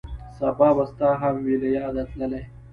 سبا به ستا هم وي له یاده تللی